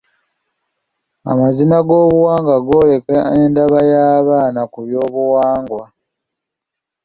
Amazina g'obuwangwa gooleka endaba y'abaana ku byobuwangwa.